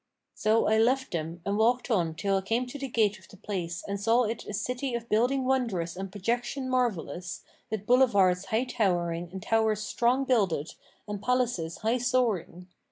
'" "So I left them and walked on till I came to the gate of the place and saw it a city of building wondrous and projection marvellous, with boulevards high towering and towers strong builded and palaces high soaring.